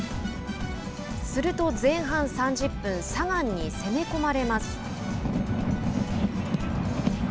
すると前半３０分サガンに攻め込まれます。